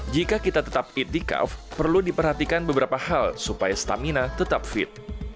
jika kita tetap itikaf perlu diperhatikan beberapa hal supaya stamina tetap fit